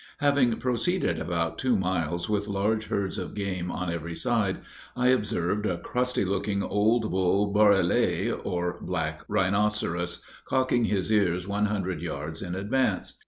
Having proceeded about two miles with large herds of game on every side, I observed a crusty looking, old bull borèlé, or black rhinoceros, cocking his ears one hundred yards in advance.